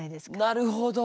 なるほど。